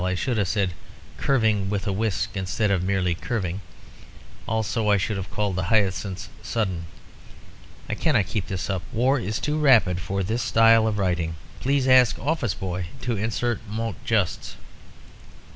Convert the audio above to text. I should have said 'Curving with a whisk' instead of merely 'Curving.' Also I should have called the hyacinths 'sudden.' I cannot keep this up. War is too rapid for this style of writing. Please ask office boy to insert mots justes.)